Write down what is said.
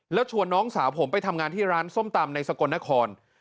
แล้วชวนน้องสาวผมไปทำงานที่ร้านส้มตำในสกลนคร